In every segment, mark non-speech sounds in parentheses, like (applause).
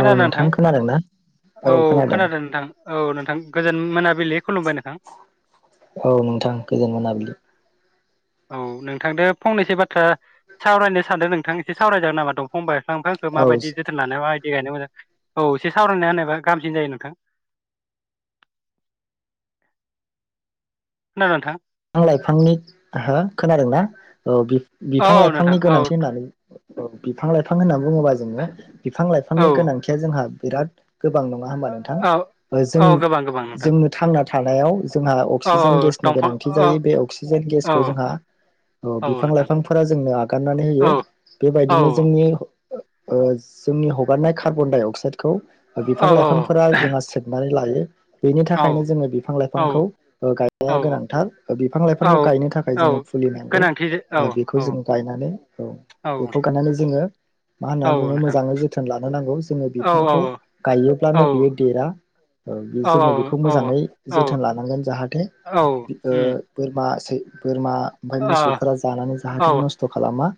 औ नोंथां खोनादोंना? औ खोनादों। औ नोंथां गोजोन मोनाबिलि खुलुमबाय नोंथां। औ नोंथां गोजोन मोनाबलि। औ नोंथांदो फंनैसो बाथ्रा सावरायनो सानदों नोंथां एसे सावरायजागोन नामा दंफां बा बिफां फोरखौ औ माबायदि बिफां जोथोन लानायावहाय बे गायनो मोजां। औ एसे सावरायनाय होननायबा गामसिन जायो नोंथां। खोनादों नोंथां? फां लाइफांनि हो खोनादों ना? औ औ बि-बिफां औ लाइफांनि नोंथां औ गोनांथि होननानै औ बिफां लाइ फां होनना बुङोबा जोङो बिफां औ लाइफांनि गोनांथिया जोंहा बिराद गोबां नङा होमबा नोंथां? औ ओ औ गोबां गोबां नोंथां जों थानायाव जोंहा औ औ दंफां थि औ जायो बे अक्सिजेन औ गेसखौ जोंहा ओ औ बिफां नोंथां लाइफांफोरा जोंनो आगारनानै होयो। औ औ बेबायदिनो जोंनि ओ ओ जोंनि हगारनाय कार्बन डाइ अक्साइड खौ औ बिफां औ लाइफांफोरा जोंहा सेबनानै लायो। बेनि थाखायनो जोङो बिफां लाइफांखौ औ ओ गायनाया औ गोनांथार। बिफां औ लाइफांखौ गायनो थाखाय औ जोङो फुलि नांगौ। गोनांथि औ ओ बेखौ औ जों गायनानै औ औ बेखौ गायनानै जोङो मा औ होननानै बुङो नोंथां मोजाङै जोथोन लानो नांगौ। जोङो औ बिफांखौ औ गायोब्लानो बियो देरा ओ औ जोङो बेखौ औ मोजाङै औ जोथोन लानांगोन जाहाथे ओ बोर मा सै बोरमा ओमफाय मोसौफोरा जानानै औ जाहाथे नस्थ खालामा।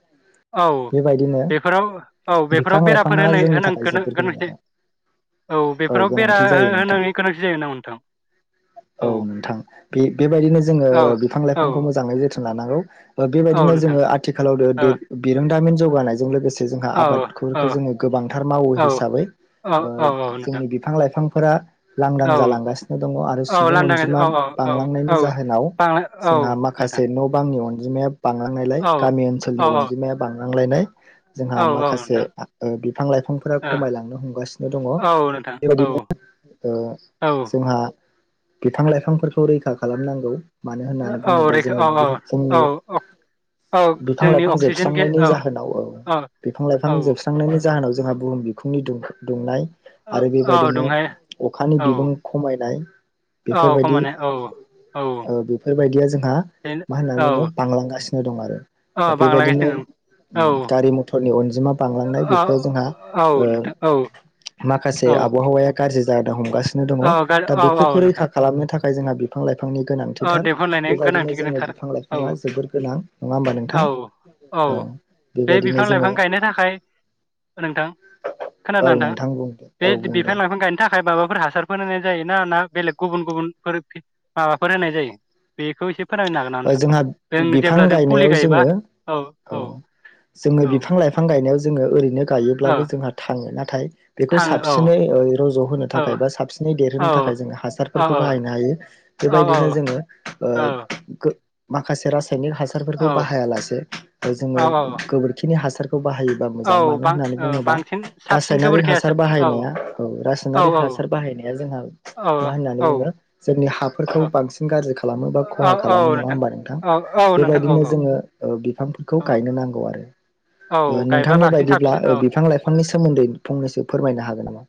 औ बेबायदिनो बेफोराव औ बिफां बेफोराव बेराफोर लाइफाङा होनाय जोंनि होनां थाखाय गोनो जोबोर गोनां गोनांथि आरो औ बेफोराव बेरा गोनांथि जायो नोंथां हो-हो-होनायनि गोनांथि जायो नामा नोंथां? औ नोंथां बे बेबायदिनो जोङो औ बिफां औ लाइफांखौ मोजाङै जोथो न लानांगौ ओ औ बेबायदिनो नोंथां जोङो आथिखालाव दो औ दे बिरों दामिन जौगानाइजों लोगोसे से जोंहा औ औ आबादखौरखो जोङो गोबांथार मावो औ हिसाबै औ ओ औ औ नोंथां जोंनि बिफां लाइफां फोरा लांदां औ जालांगासिनो दङ आरो औ सुबुं लांदां अनजिमा औ औ औ बांलांनायनि औ ज जाहोनाव बांला औ जोंहा नोंथां माखासे न'बांनि अन जिमाया बांलांनायलाय औ गामि ओनसोलनि औ औ अनजिमाया बां लांनायलाय जोंहा औ औ माखासे नोंथां आ ओ बिफां लाइफांफोरा ओ खमायलांनो हमगासिनो दंङ, औ नोंथां बे औ बायदिनो ओ औ जोंहा बिफां लाइफां फोरखौ रैखा खालामनांगौ। मानो होननानै औ बुंङोबा रैखा जोंङो औ बुहु जोंनि औ औ औ औ बिफां जोंनि लाइफां अक्सिजेन गे जोबस्रांनायनि औ जाहोनाव औ बिफां लाइफां औ जोबस्रांनायनि जाहोनाव जोंहा बुहुम बिखुंनि दुंख दुंनाय औ आरो औ बेबायदिनो दंहाय अखानि औ बिबां खमायनाय औ बेफोरबायदि खमानो औ औ ओ बेफोरबायदिया जोंहा बेनो मा होनना औ बुंङो बांलां गासि नो दं आरो। ओ औ बे बांलादेश बायदिनो दों उम औ गारि मथरनि अनजिमा बांलांनाय औ बेफोराव जोंहा औ ओ नोंथां औ माखासे औ आबहावाया गारजि जादो हमगास सिनो दंङ औ गारि दा औ औ बेफोरखौ रैखा नोंथां खालामनो थाख फ्राय जोंहा बि फां लाइ फांनि औ गोनांथिथार दैखरलायनाय बेबायदिनो गोनांथि जोंङो गोनांथार बिफां औ लाइफांङा जोबोर गोनां नंङा होमबा औ नोंथां? औ बे बिफां बेबायदिनो लाइफां जोंङो गायनो थाखाय नोंथां खोनादों औ नोंथां बुं दे औ बुं दे। खाय माबाफोर हासारफोर होनाय जायोना ना बेलेग गुबुन गुबुनफोर माबा फोर होनाय जायो? बेखौ एसे फोरमायनो हागोन ना नोंथां जोंहा जों बिफां जेब्ला जों फुलि गायनायाव गायोबा जोंङो औ जोंङो औ बिफां लाइफां गायनायाव जोंङो ओरैनो औ गायोब्लाबो जोंहा थांङो नाथाय बेखौ थाङो औ साबसिनै ओ रज' होनो औ थाखाय बा साबसिनै औ देरहोनो थाखाय जों औ हासारफोरखौ बाहायनो हायो। औ बेबायदिनो जोंङो ओ औ गो माखासे राज सायनिक हासार फोरखौ औ बाहायालासे ओ औ गोबोरखिनि हासा खौ बाहायोबा मोजां औ मानो बां होननानै ओ बुंङोबा बांसिन साबसिन रासायनारिक गोबोरखि हासार बाहायनाया औ औ रासायनारिक औ हासार बाहायनाया जोंहा औ मा होननानै जोंङो बिनि हाग फोरखौ बांसिन गारजि खालामो। खहा औ औ खालामो नंङा होमबा नोंथां? औ औ नोंथां औ बेबायदिनो औ जोंङो बिफां फोरखौ औ गायनो नांगौ आरो। औ ओ गायबा नोंथांनि बांसिन बायदिब्ला साबसिन ओ औ बिफां लाइफांनि सोमोन्दै फंनैसो फोरमायनो हागोन नामा?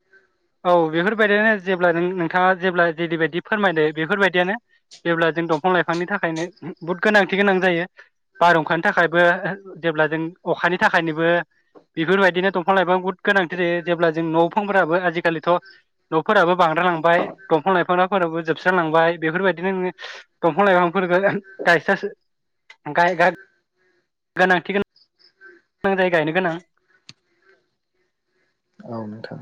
औ बेफोरबायदियानो जेब्ला नों नोंथांङा जेब्ला जेरैबायदि फोरमायदो बेफोरबायदियानो जेब्ला जों दंफां लाइफांनि थाखायनो बहुत गोनांथि गोनां जायो। बारहुंखानि थाखायबो जेब्ला जों अखानि थाखायनोबो बेफोरबायदिनो दंफां लाइफां बहुद गोनांथि जायो जेब्ला जों न'फांफोराबो आजि आ खालिथ' न'फोराबो बांद्राइलांबाय दंफां लाइफांफोराबो जोबस्रालांबाय बेफोरबायदिनो नो दंफां लाइफां। (unintelligible) गाइ गाइ गोनांथि गोनां जायो गायनो गोनां। औ नोंथां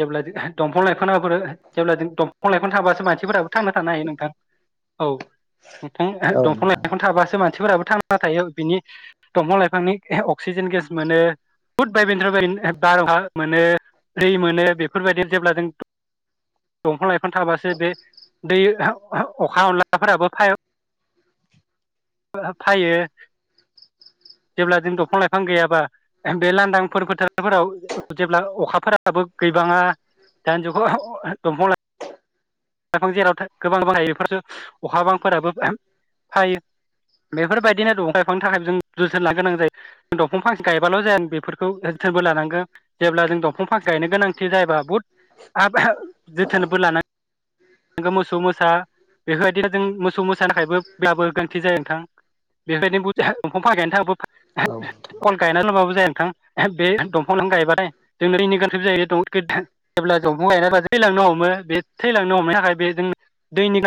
जेब्लादि दंफां लाइफां (unintelligible) जेब्ला जों दंफां लाइफां (unintelligible) थाबासो मानसिफोराबो थांना थानो हायो नोंथां। औ। नोंथां ओ औ दंफां नोंथां लाइफां थाबासो मान सिफोराबो थांना थायो बिनि दंफां लाइफांनि एहे अक्सिजेन गेस मोनो (unintelligible) मोनो। फ्रि मोनो बेफोरबायदि जेब्ला जों दंफां लाइ फां थाबासो बे दै अखा (unintelligible) (unintelligible) फायो जेब्ला जों दंफां लाइफां गैयाबा बे लांदांफोर फोथारफोराव जेब्ला अखाफोराव (unintelligible) गैबाङा दानिजुगाव (unintelligible) दंफां लाइ फां जेराव था गोबां बां जायो बेफोरसो अखाबांफोराबो होम फायो। बेफोरबायदिनो दंफां लाइफांनि थाखाय जों जोथोन लानो गोनां जायो दंफां फांसे गायबाल' जाया बेफोर खौ जोथोनबो लानांगोन जेब्ला जों दंफां फांसे गायनो गोनांथि जायोबा बहुद (unintelligible) जोथोनबो लानां मोसौ मोसा बेफोरबायदिनो जों मोसौ मोसा थाखायबो ब्लाबो गोनांथि जायो नोंथां बेफोरबायदिनो दंफां फांसे (unintelligible) औ (unintelligible) नोंथां (unintelligible) नोंथां बे दंफां लांइफां गायबा जोंनो दैनि गोनांथि जायो (unintelligible) जेब्ला दंफां गायनाया थैलांनो हमो (unintelligible) थाखाय बे जों दैनि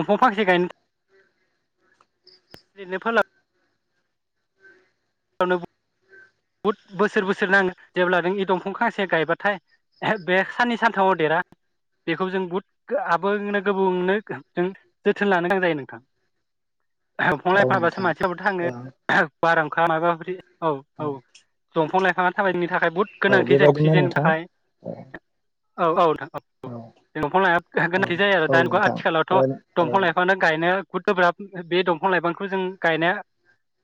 (unintelligible) फांसे गायनो (unintelligible) बुहुद बोसोर बोसोर नाङो जेब्ला नों इ दंफां गांसे गायबाथाय बे साननै सानथामाव देरा बेखौ जों बुहुथ (unintelligible) गोबौनो जों जोथोन लानो गोनां जायो नोंथां। औ (unintelligible) नोंथां (unintelligible) ओ फ्रि अ औ दंफां औ लाइ फांआ (unintelligible) थाखाय बुहुद औ गोनांथि जायो बेबायदिनो अक्सिजेननि नोंथां थाखाय औ। औ औ नोथां। औ दंफां (unintelligible) औ गोनांथि जायो आरो औ दानि नोंथां ओ आथिखालावथ' ओ दंफां लाइफांनो गायनो (unintelligible) गोब्राब बे दंफां लाइफांखौ जों गायनाया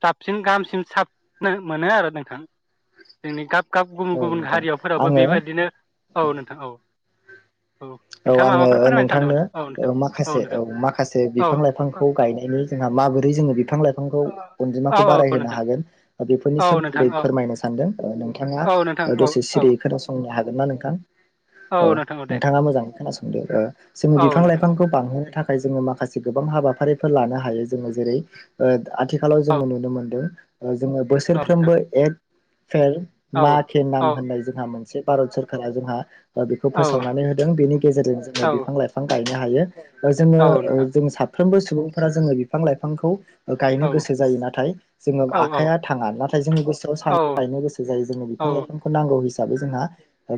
साबसिन गाहामसिन (unintelligible) मोनो आरो नोंथां। जोंनि गाब गाब गुबुन औ गुबुन नोंथां हारियावफोराबो आङो बेबायदिनो औ नोंथां औ। औ नोंथाङा आङो माबाफोर फोरमायनो नोंथांनो सानदोंमोन औ नोंथां ओ माखासे औ नोंथां माखासे औ बिफां लाइफांखौ गायनायनि जोंहा माबोरै जोङो बिफां लाइफांखौ औ अनजिमाखौ बाराय होनो नोंथां हागोन बेफोर- नि औ नोंथां सोमोन्दै औ फोरमायनो सानदों। नोंथाङा औ नोंथां औ दसे औ सिरि खोनासंनो हागोन ना नोंथां? औ नोंथाङा मोजां जेनेबा जों औ बिफां नोंथां औ लाइफांखौ बांहोनो थाखाय जोङो माखासे गोबां हाबा- फारिफोर लानो हायो जोङो जेरै- आथिखालाव औ जोङो नुनो मोनदो। अ जोङो औ नोंथां बोसोरफ्रोमबो एक पेर औ मा के औ नाम होननाय जोंहा मोनसे भारत सरखारा जोंहा बेखौ औ फोसावनानै होदों बेनि गेजेरजों जोंनो औ बिफां लाइफां गा- यनो हायो। जोङो औ ओ नोंथां जों सा- फ्रोमबो सुबुंफोरा जोङो बिफां लाइफांखौ औ गायनो गोसो जायो नाथाय। जोङो औ औ आखाइया थाङा नाथाय जोंनि गोसोआव औ सान गायनो गोसो जायो जोंङो बिफां लाइफांखौ नांगौ हिस- दाबो जोंहा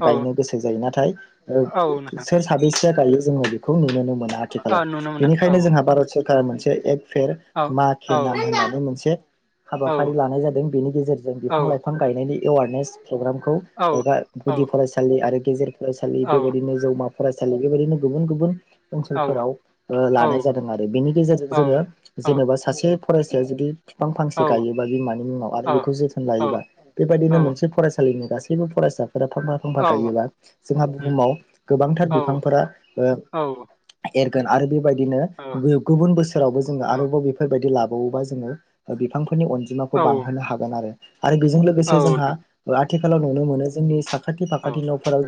गायनो गोसो जायो नाथाय अ। औ नोंथां साबैसेया गायो जोङो बेखौ नुनो मोना औ आथिखालाव नुनो मोनो औ बेनिखायनो जोंहा भारत सर- अ मोनसे एक पेर औ मा के औ नाम होननानै मोनसे औ हाबाफारि लानाय जादों बेनि गेजेरजों औ बिफां लाइफां गायनायनि एवारनेस प्रग्रामखौ औ माबा औ गुदि फरायसालि आरो गेजेर फरायसालि बेबायदिनो फरायसालि बेबायदिनो गुबुन गुबुन ओनसोलफोराव लानाय जादों आरो बेनि गेजेरजों औ जोङो औ जेनेबा सासे फरायसाया जुदि बिफां फांसे औ गायोबा बिमानि मुङाव औ आरो बेखौ जोथोन औ लायोबा औ बेबायदिनो मोनसे फरायसालिनि गासैबो फरायसा। फोरा फांफा फांफा गायोबा जोंहा उम बुहुमाव गोबांथार औ बिफांफोरा औ एरगोन आरो बि बादिनो औ गुबुन बोसोरावबो जों आरोबाव बेफोरबायदि लाबो ज बिां (inaudible) (unintelligible) फोरनि औ अनजिमाखौ बांहोनो हागोन आरो। आरो बेजों औ लोगोसे जोंहा आथिखालाव नुनो मोनो जोंनि फाखाथि फाखाथि न फोराव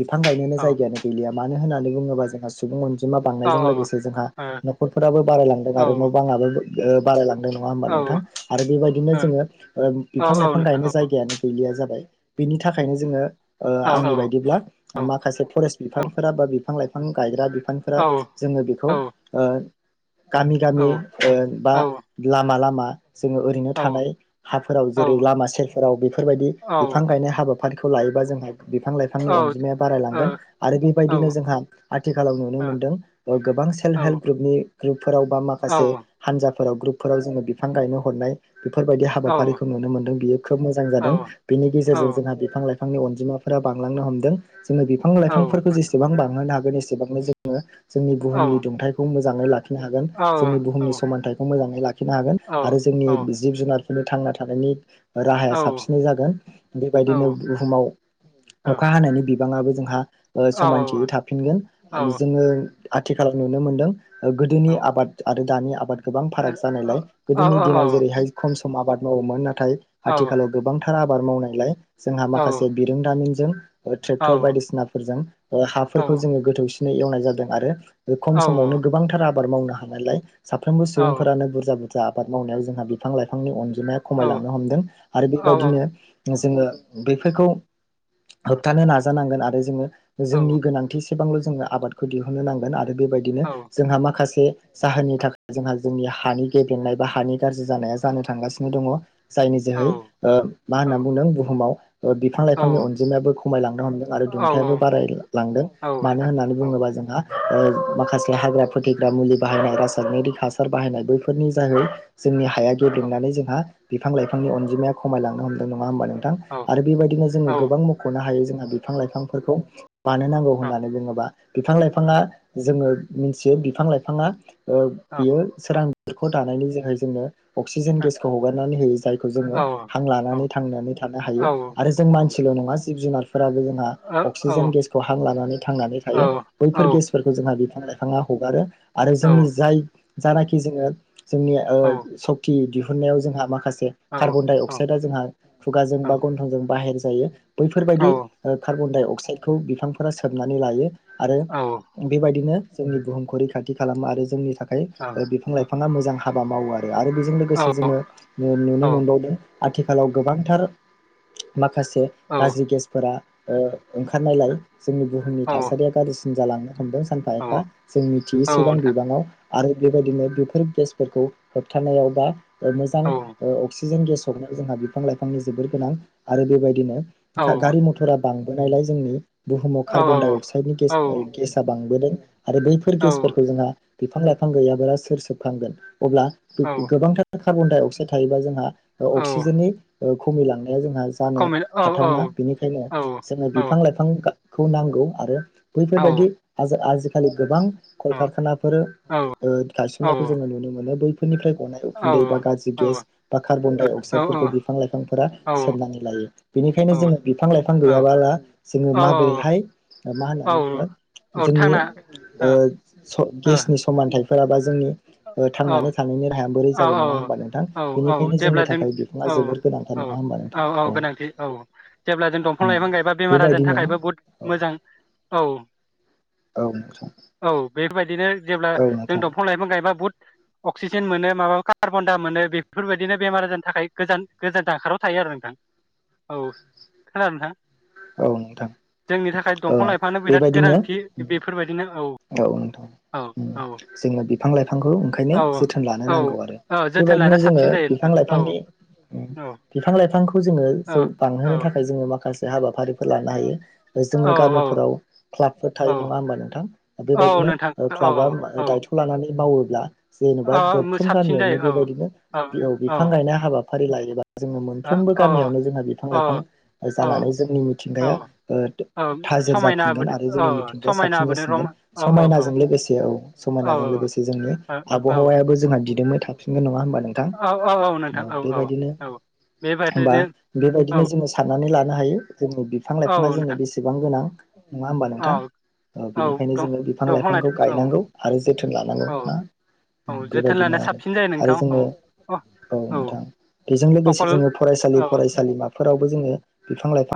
बिफांबाय जायगायानो गैलिया मानो होन्नानै बुङोबा जोंहा सुबुं आनजिमा आनजिमा बांनायजों लोगोसे जोंहा नखरफोराबो बारायलांदों आरो न बाङाबो ओ बारायलाङो नङा होनबा नोंथां आरो बेबायदिनो जोङो बिफां लाइफां गायनो नोंथां जायगायानो गैलिया जाबाय बिनि थाखायनो जोङो औ औ ओ औ ओ औ नोंथां औ आंनि बायदिब्ला औ माखासे बिफानफोरा बा (inaudible) बिफां लाइफां गायग्रा बि औ बिफानफोरा ओ औ ओ जोङो बेखौ गामि गामि बा लामा लामा जोङो ओरैनो थानाय हाफोराव जेरै लामा सेरफोराव बेफोरबायदि बिफां औ गायनाय हाबा आफादखौ लायोबा जोंहा बिफां औ लाइफांनि अनजिमाया बारायलांगोन बेबायदिनो जोंहा आथिखालाव नुनो मोन्दों गोबां औ सेल्फ हेल्प ग्रुपनि ग्रप। फोराव बा माखासे हानजा फोराव ग्रुपफोराव जोङो बिफां गायनो हरनाय। बेफोरबायदि हाबाफारिखौ नुनो मोनदों बियो खोब मोजां जादों बेनि गेजेरजों जोंहा बिफां लाइफां बिफांनि अनजिमाफोरा बांनो हमदों जोंनो बिफांफोरखौ जेसेबांनो हागोन एसेबांनो जोङो जोंनि बुहुमनि दुंथाइखौ मोजां जांनो लाख हागोन जोंनि बुहुमनि समानथथायखौ मोजां मोन लाखिनो हागोन आरो जोंनि जिब जुनार नो थांना थानायनि राहाया साबसिनै जागोन बेबायदिनो बुहुमाव अखा हानायनि बाङाबो जोंहा ओ समानथियै थाफिनगोन औ जोङो आथिखालाव नुनो मोनदों औ गोदोनि आबाद दानि आबाद गोबां औ फाराग औ जानायलाय औ गोदोनि दिनाव जेरैहाय खम सम आबाद मावोमोन ना थाय औ आथिखालाव गोबां थार आबाद मावनायलाय जोंहा औ माखासे बिरोंदामिन जों औ ट्रेक्टर बायदिसिना फोरजों ओ हाफोरखौ जोङो गोथौसि नै एवनाय जादों आरो बे औ खम औ समावनो गोबांथार आ बाद मावनो हानायलाय साफ्रोमबो नोंथां सुबुंफोरानो बुरजा बु जा आबाद मावनायाव जोंहा बिफां लाइफांनि अन जिमाया खमायलांनो हमदों आरो बेबायदिनो जोङो बेफोरखौ होबथानो नाजानांगोन आ रो जोङो जोंनि गोनांथि सेबांल' जोङो आबादखौ दिहुननो नांगोन आ रो बेबायदिनो जोंहा माखासे जाहोननि थाखाय जोंहा जोंनि हानि गेबेंनाय बा हानि गाज्रि जानाया जानो थांगासिनो दङ। जायनि जोहै ओ मा होनना बुंदों बुहुमाव बिफां लाइफांनि अनजिमायो खमायलांनो हमदों आरो दुं थायाबो बाराय लांदों मानो होननानै औ बुङोबा जोंहा। ओ माखासे हाग्रा फोथैग्रा मुलि बाहायनाय रासायनारिक हासार बाहायनाय बैफोरनि जाहै जोंनि हाया औ गेबेंनानै जोंहा बिफां लाइफांनि अनजिमाया खमायलांनो हमदों नङा होमबा नों थां औ आरो बेबायदिनो औ जोंङो गोबां मखनो हायो जों बिफां लाइफां फोरखौ मानो नांगौ होननानै बुंङोबा बिफां लाइफाङा जोंङो मिन्थियो बिफां लाइफाङा ओ बियो सोरां बेखौ दानायनि जोंनो अक्सिजेन गेसखौ हगारनानै होयो जायखौ जोंङो हां लानानै थांनानै थानो हायो आरो जों मानसिल नङा जिब जुनार फोराबो जोंहा अक्सिजेन गेसखौ हां लानानै थांनानै थायो बैफोर गेसफोरखौ जों बिफां लाइफाङा हगारो आरो जोंनि जाय जानाखि जोंङो जोंनि ओ सक्ति दिहुन नायाव जोंहा माखासे कार्बनडाइअक्साइद जोंहा औ खुगाजों बा गन्थंजों बाहेर जायो बैफोरबायदि औ ओ कार्बनडाइअक अक्साइडखौ बिफांफोरा सोबनानै लायो आरो औ बेबायदिनो जोंनि बुहुमखौ रैखाथि खालामो आरो जोंनि थाखाय औ बिफां-लाइफाआ मोजां हाबा मावो आरो आरो बेजों लोगोसे जोंङो नु-नुनो मोनबावदों आथिखालाव गोबांथार मा खासे गाज्रि गेसफोरा ओ ओंखारनायलाय जोंनि बुहुमनि थासारिया गारजिसि न जालांङो हमदों सानफा एफा जोंनिथि एसेबां नोंथां बिबाङाव आरो बेबायदिनो बेफोर गेसफोरखौ होबथानायाव बा मोजां ओ अक्सि जों गेस हरनायाव जोंहा बिफां-लाइफांनि जोबोर गोनां आरो बेबायदिनो औ गा-गारि मथ'रा बां बोनाइलाय जोंनि बुहुमाव औ कार्बन-डाइ-अक्साइडनि औ गेस ओ गेसआ बां बोदों। आरो बैफोर औ गेसफोरखौ जोंहा बिफां-लाइफां गैयाब्ला सोर सोबखांगोन? अब्ला औ गो-गोबांथार कार्बन डाइ ऑक्साइड थायोब्ला जोंहा औ अ-अक्सिजेननि ओ खमिलां ह जोंहा जानो कमेन्ट औ औ हाथावना बेनिखायनो औ जोङो औ बिफां लाइफां गा खौ नांगौ आरो औ बैफोरबायदि हाजो आजो खालि गोबां औ कलकारखानाफोर औ औ ओ गायसननायखौ जोङो नुनो मोनो। बैफो बेनिफ्राय गनाय उखुन्दै बा गाज्रि गेस बा कार्बन डाइ अक्साइदफोरखौ बिफां लाइफांफोरा सोबनानै लायो बेनिखायनोजों बिफां लाइफां गैया औ (unintelligible) जोङो माबोरैहाय ओ मा होनानै औ बुङो औ जोंनि थांना ओ स' गेसनि समानथाय फोराबा जोंनि ओ थांनानै थानायनि राहाया बोरै औ जागोन नङा होनबा नोंथां औ औ बेनिखायनो जोंनि जेब्ला जों थाखाय बिफाङा औ जोबोर गोनांथार औ नङा होनबा नोंथां। औ बिफां उम लाइफां गायबा बेमार आजारनि बेबायदिनो थाखायबो बहुद औ मोजां औ औ नोंथां औ बेफोरबायदिनो जेब्ला औ जों नोंथां दंफां लाइफां गायबा बहुद अक्सिजेन मोनो माबा कार्बनदाय मोनो बेफोरबायदिनो बेमार आजारनि थाखाय गोजान गोजान जानखाराव थायो आरो नोंथां। औ खोनादों नोंथां? औ नोंथां जोंनि थाखाय औ दंफां लाइफाङानो बिराद बेबायदिनो गोनांथि बेफोरबायदिनो औ नोंथां औ औ जोङो बिफां लाइफां ओंखायनो औ जोथोन लानो औ नांगौ आरो। औ जोथोन बेबायदिनो लानो जोङो साबसिन जायो बिफां नोंथां औ लाइफांनि औ बिफां लाइफांखौ जोङो औ जौ औ बांहोनो थाखाय जोङो माखासे हाबा फोर लानो हायो जोङो औ औ गामिफोराव क्लाबफोर थायो औ नङा होमबा नोंथां औ बेबायदिनो नोंथां औ क्लाबा औ दायथ' लानानै मावो दा जेनेबा औ औ दरथाम साबसिन जायो गामियावनो औ बेबायदिनो औ औ बिफां गायनाय हाबा फारि लायोबा जोङो औ मोनफ्रोमबो गामियावनो जोंहा बिफां औ लाइफां ओ औ जानानै जोंनि औ मिथिंगाया ओ औ थाजिर समायना जाफिनगोन होबोदों आरो जोंनि औ मिथिंगाया समायना साबसिन होबोदों रम जासिनगोन औ औ समायनाजों लोगोसे औ औ औ समायनाजों लोगोसे जोंनि आबहावायाबो जोंना दिदोंमै थाफिगोन नङा होमबा नोंथां औ बेबायदिनो होमबा बेबादिनो औ बेबायदिनो जोङो साननानै लानो हायो। जोंनि बिफां औ लाइफाङा जोंनो नोंथां बेसेबां गोनां नङा होमबा नोंथां औ औ बेनिखायनो जोङो बिफां दंफां लाइथ लाइफांखौ औ गायनांगौ आरो जोथोन लानांगौ औ ना। औ जोथोन बेबायदिनो लानाया आरो साबसिन जायो नोंथां आरो जोङो औ अ औ नोंथां। बेजों लोगोसे अकल जोङो फरायसालि औ औ फरायसालिमाफोरावबो जोङो बिफां लाइफां